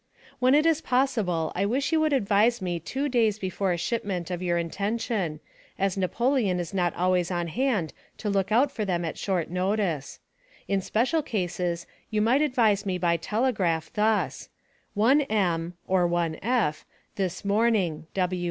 When it is possible I wish you would advise me two days before a shipment of your intention, as Napoleon is not always on hand to look out for them at short notice. In special cases you might advise me by Telegraph, thus: "One M. (or one F.) this morning.